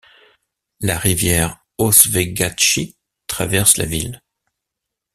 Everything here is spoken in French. La rivière Oswegatchie traverse la ville.